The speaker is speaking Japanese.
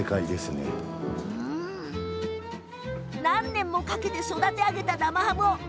何年もかけて育て上げた生ハム